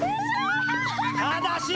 ただし！